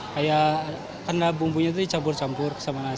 kayak karena bumbunya itu dicampur campur sama nasi